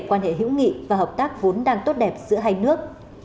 quan hệ hữu nghị và hợp tác vốn đang tốt đẹp giữa hai nước